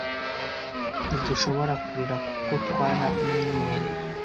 ntidushobora kurira kuko twaramenyereye